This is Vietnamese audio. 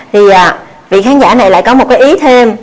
thì vị khán giả này lại có một cái ý thêm